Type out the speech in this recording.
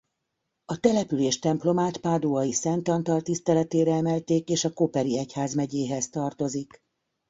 A település templomát Páduai Szent Antal tiszteletére emelték és a Koperi egyházmegyéhez tartozik.